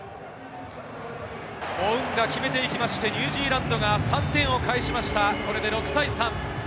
モウンガ決めていきまして、ニュージーランドが３点を返しました。